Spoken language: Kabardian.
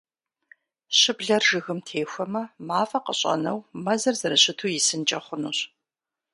Щыблэр жыгым техуэмэ, мафӀэ къыщӏэнэу, мэзыр зэрыщыту исынкӏэ хъунущ.